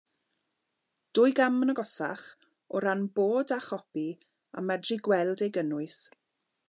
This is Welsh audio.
Dwi gam yn agosach o ran bod â chopi a medru gweld ei gynnwys.